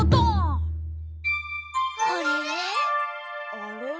あれ？